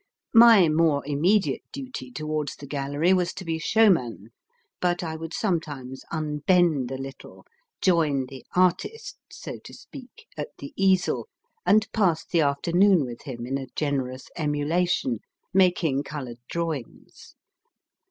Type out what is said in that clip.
My more immediate duty towards the gallery was to be showman ; but I would sometimes unbend a little, join the artist (so to speak) at the easel, and pass the afternoon with him in a generous emulation, making coloured drawings.